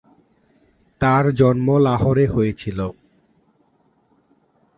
তার জন্ম লাহোরে হয়েছিলো।